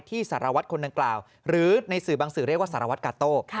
สารวัตรคนดังกล่าวหรือในสื่อบางสื่อเรียกว่าสารวัตรกาโต้